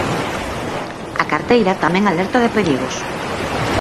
A carteira tamén alerta de perigos.